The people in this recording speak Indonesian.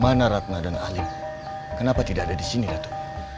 mana ratna dan alim kenapa tidak ada di sini ratu